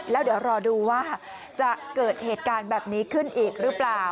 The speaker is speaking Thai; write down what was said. แล้วเดี๋ยวรอดูว่าจะเกิดเหตุการณ์แบบนี้ขึ้นอีกหรือเปล่า